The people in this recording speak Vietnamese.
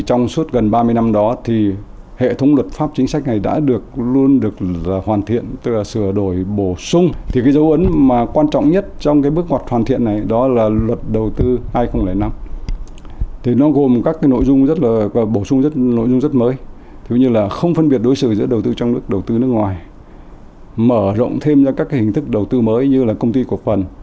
không phân biệt đối xử giữa đầu tư trong nước đầu tư nước ngoài mở rộng thêm các hình thức đầu tư mới như công ty cổ phần